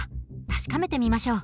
確かめてみましょう。